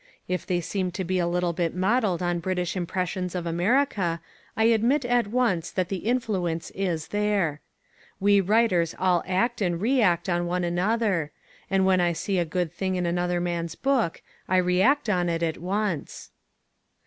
If they seem to be a little bit modelled on British impressions of America I admit at once that the influence is there. We writers all act and react on one another; and when I see a good thing in another man's book I react on it at once.